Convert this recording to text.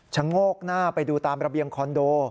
โงกหน้าไปดูตามระเบียงคอนโด